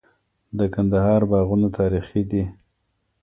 د کندهار باغونه تاریخي دي.